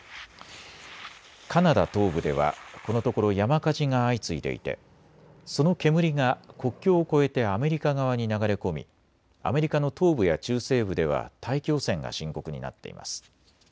カナダ東部ではこのところ山火事が相次いでいてその煙が国境を越えてアメリカ側に流れ込みアメリカの東部や中西部では大気汚染が深刻になっています。